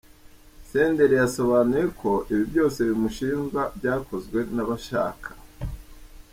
Senderi yasobanuye ko ibi byose bimushinjwa byakozwe nabashaka.